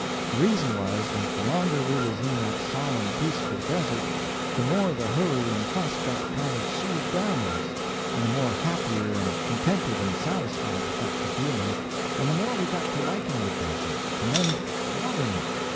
The reason was, that the longer we was in that solemn, peaceful desert, the more the hurry and fuss got kind of soothed down in us, and the more happier and contented and satisfied we got to feeling, and the more we got to liking the desert, and then loving it.